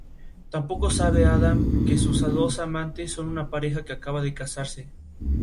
La vegetación en la región se compone de matorral suculento.